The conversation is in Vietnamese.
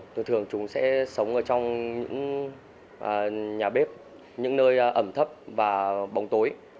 thường thường chúng sẽ sống trong những nhà bếp những nơi ẩm thấp và bóng tối